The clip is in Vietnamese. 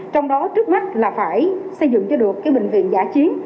trong đó trước mắt là phải xây dựng cho được bệnh viện giả chiến